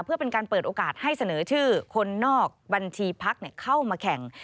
เพื่อเป็นการเปิดโอกาสให้เสนอชื่อคนนอกบัญชีพักเข้ามาแข่ง